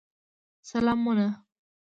سلامونه.